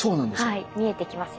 はい見えてきますよね。